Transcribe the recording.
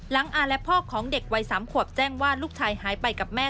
อาและพ่อของเด็กวัย๓ขวบแจ้งว่าลูกชายหายไปกับแม่